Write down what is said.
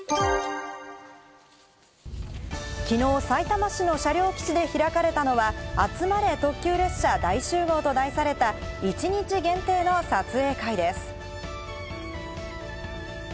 きのう、さいたま市の車両基地で開かれたのは、「あつまれ、特急列車大集合」と題された、一日限定の撮影会です。